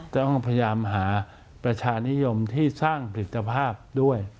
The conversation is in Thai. ต้องพยายามหาประชานิยมที่สร้างผลิตภาพด้วย